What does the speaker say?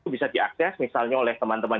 bisa diakses misalnya oleh teman teman